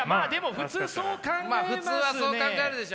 普通はそう考えるでしょうね。